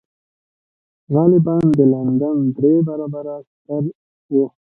غالباً د لندن درې برابره ستر و